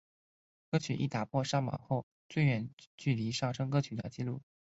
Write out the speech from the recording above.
歌曲亦打破了上榜后最远距离上升歌曲的记录。